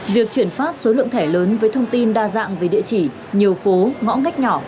việc chuyển phát số lượng thẻ lớn với thông tin đa dạng về địa chỉ nhiều phố ngõ ngách nhỏ